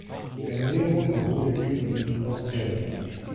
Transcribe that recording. Die Ernährung beruhte überwiegend auf Pferdefleisch.